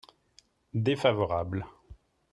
Défavorable.